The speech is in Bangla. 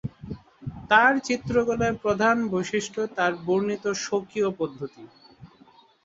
তার চিত্রকলার প্রধান বৈশিষ্ট্য তার বর্ণিত স্বকীয় পদ্ধতি।